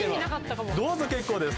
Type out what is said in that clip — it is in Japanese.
どうぞ結構です。